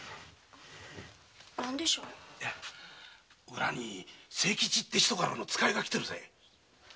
裏に清吉って人からの使いが来てるぜ。